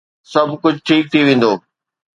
سڀ ڪجھ ٺيڪ ٿي ويندو